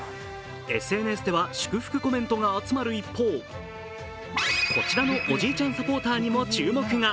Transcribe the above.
ＳＮＳでは祝福コメントが集まる一方こちらのおじいちゃんサポーターにも注目が。